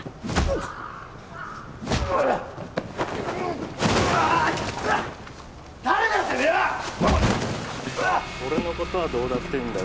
うわっ俺のことはどうだっていいんだ